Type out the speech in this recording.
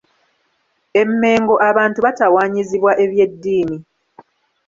E Mengo abantu batawanyizibwa eby’eddiini.